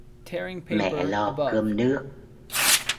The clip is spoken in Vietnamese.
Mẹ lo cơm nước